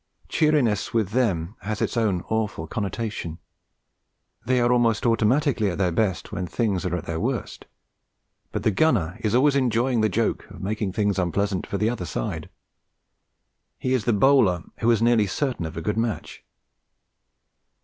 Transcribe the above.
Cheeriness with them has its own awful connotation: they are almost automatically at their best when things are at their worst; but the gunner is always enjoying the joke of making things unpleasant for the other side. He is the bowler who is nearly certain of a good match.